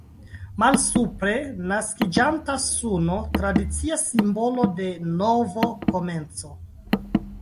Malsupre, naskiĝanta suno, tradicia simbolo de novo komenco.